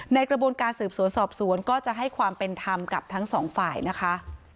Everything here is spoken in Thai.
ในกระบวนการสืบสวนสอบสวนก็จะให้ความเป็นธรรมกับทั้งสองฝ่ายนะคะ